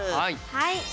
はい。